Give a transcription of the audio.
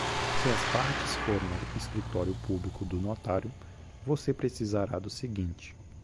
Se as partes forem ao escritório público do notário, você precisará do seguinte: